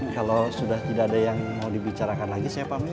kalau sudah tidak ada yang mau dibicarakan lagi siapa nih